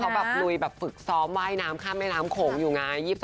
เขาแบบลุยแบบฝึกซ้อมว่ายน้ำข้ามแม่น้ำโขงอยู่ไง